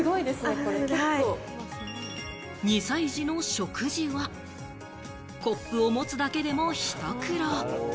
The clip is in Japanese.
２歳児の食事は、コップを持つだけでもひと苦労。